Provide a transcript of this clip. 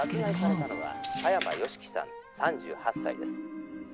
「殺害されたのは葉山芳樹さん３８歳です」えっ？